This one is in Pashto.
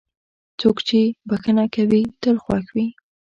څوک چې بښنه کوي، تل خوښ وي.